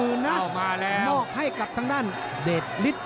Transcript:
เอ้ามาแล้วมอบให้กลับทางด้านเดทลิก